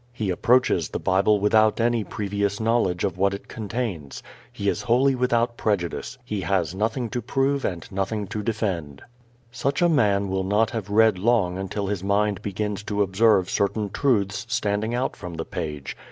He approaches the Bible without any previous knowledge of what it contains. He is wholly without prejudice; he has nothing to prove and nothing to defend. Such a man will not have read long until his mind begins to observe certain truths standing out from the page.